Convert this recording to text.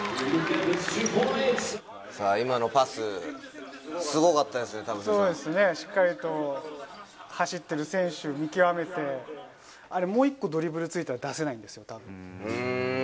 今のパス、そうですね、しっかりと走ってる選手を見極めて、あれもう１個ドリブルついたら、出せないんですよ、たぶん。